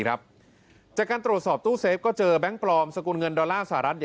จากการสอบตู้เซฟเห็นแบงค์ปลอมสกุลเงินดอลลาร์อศาษฎร์